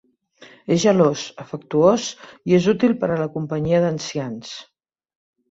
És gelós, afectuós i és útil per a la companyia d'ancians.